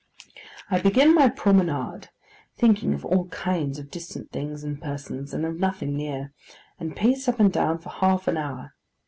I begin my promenade—thinking of all kinds of distant things and persons, and of nothing near—and pace up and down for half an hour.